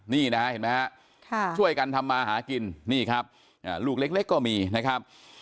นี่นะฮะเห็นไหมฮะช่วยกันทำมาหากินนี่ครับลูกเล็กก็มีนะครับ